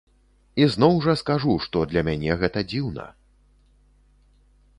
І зноў жа скажу, што для мяне гэта дзіўна.